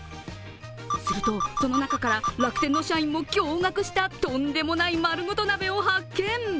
すると、その中から楽天の社員も驚がくした、とんでもないまるごと鍋を発見。